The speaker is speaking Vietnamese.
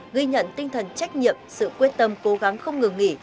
ghi nhận tinh thần trách nhiệm sự quyết tâm cố gắng không ngừng nghỉ